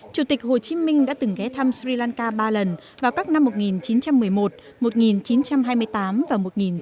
chủ tịch hồ chí minh đã từng ghé thăm sri lanka ba lần vào các năm một nghìn chín trăm một mươi một một nghìn chín trăm hai mươi tám và một nghìn chín trăm tám mươi